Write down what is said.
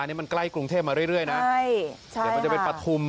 เนี้ยมันใกล้กรุงเทพมาเรื่อยเรื่อยนะใช่ใช่ค่ะมันจะเป็นปะทุ่ม